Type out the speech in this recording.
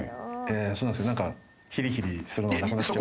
そうなんですけどなんかヒリヒリするのがなくなっちゃう。